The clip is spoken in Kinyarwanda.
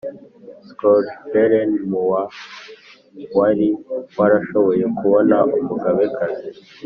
Schloiferen mu wa wari warashoboye kubona umugabekazi